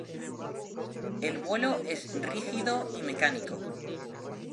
El vuelo es rígido y mecánico.